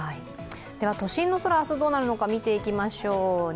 都心の空、明日どうなるのか見ていきましょう。